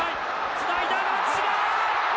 つないだ松島！